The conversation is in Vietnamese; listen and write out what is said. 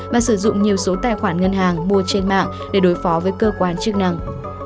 và sử dụng nhiều số tài khoản ngân hàng mua trên mạng để đối phó với cơ quan chức năng